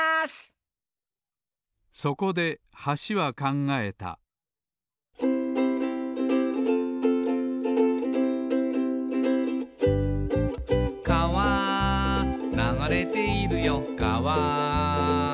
そこで橋は考えた「かわ流れているよかわ」